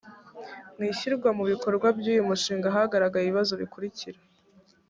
mu ishyirwa mu bikorwa by uyu mushinga hagaragaye ibibazo bikurikira